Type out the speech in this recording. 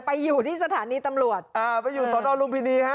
ไปอยู่ที่สถานีตำรวจอ่าไปอยู่สอนอลุมพินีฮะ